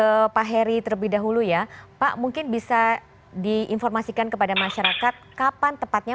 ke pak heri terlebih dahulu ya pak mungkin bisa diinformasikan kepada masyarakat kapan tepatnya